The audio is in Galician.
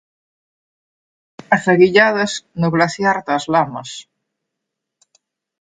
As Aguilladas no glaciar das Lamas.